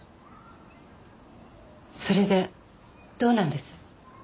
それでどうなんです？